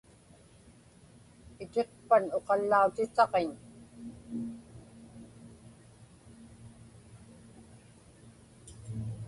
Itiqpan uqallautisaġiñ.